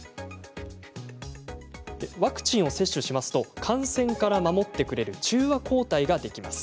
ワクチンを接種すると感染から守ってくれる中和抗体ができます。